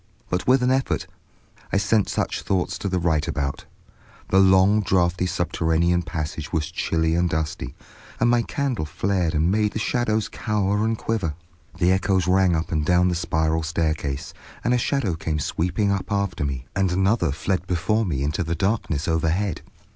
But with an effort I sent such thoughts to the right about. The long, drafty subterranean passage was chilly and dusty, and my candle flared and made the shadows cower and quiver. The echoes rang up and down the spiral staircase, and a shadow came sweeping up after me, and another fled before me into the darkness overhead.